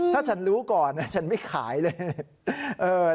ถ้าฉันรู้ก่อนฉันไม่ขายเลย